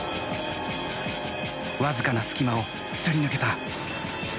わずかな隙間をすり抜けた。